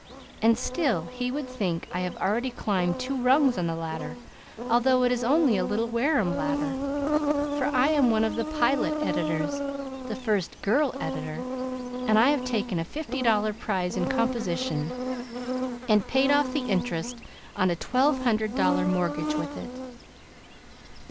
And still he would think I have already climbed two rungs on the ladder, although it is only a little Wareham ladder, for I am one of the "Pilot" editors, the first "girl editor" and I have taken a fifty dollar prize in composition and paid off the interest on a twelve hundred dollar mortgage with it.